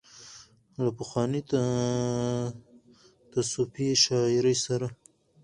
له پخوانۍ تصوفي شاعرۍ سره